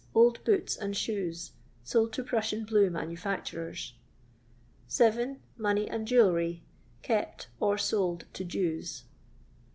Old boots and shoes, sold to Prussian blue manufacturers. 7. Money and jewellery, kept, or sold to Jews.